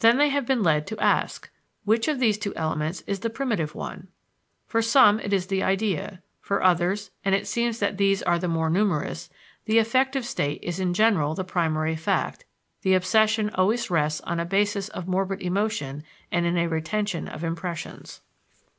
Then they have been led to ask: Which of these two elements is the primitive one? For some it is the idea. For others, and it seems that these are the more numerous, the affective state is in general the primary fact; the obsession always rests on a basis of morbid emotion and in a retention of impressions.